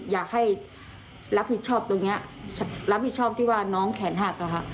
อยากให้รับผิดชอบตรงนี้รับผิดชอบที่ว่าน้องแขนหักอะค่ะ